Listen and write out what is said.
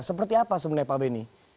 seperti apa sebenarnya pak beni